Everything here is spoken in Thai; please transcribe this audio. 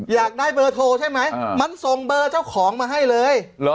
อยากได้เบอร์โทรใช่ไหมมันส่งเบอร์เจ้าของมาให้เลย